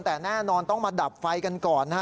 แต่แน่นอนต้องมาดับไฟกันก่อนนะฮะ